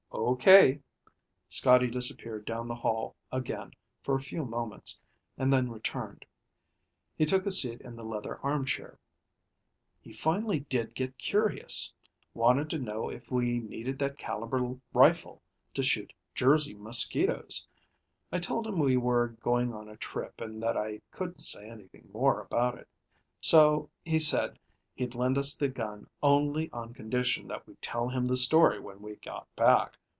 "Okay." Scotty disappeared down the hall again for a few moments and then returned. He took a seat in the leather armchair. "He finally did get curious. Wanted to know if we needed that caliber rifle to shoot Jersey mosquitoes. I told him we were going on a trip and that I couldn't say anything more about it. So he said he'd lend us the gun only on condition that we tell him the story when we got back.